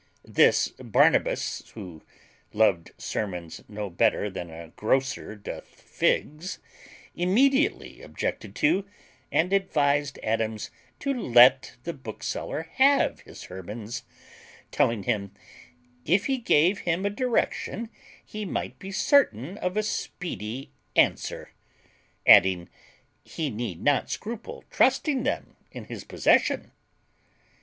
This Barnabas, who loved sermons no better than a grocer doth figs, immediately objected to, and advised Adams to let the bookseller have his sermons: telling him, "If he gave him a direction, he might be certain of a speedy answer;" adding, he need not scruple trusting them in his possession.